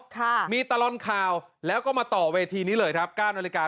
ค่ะมีตรณค่าแล้วก็มาต่อเวทีนี้เลยครับ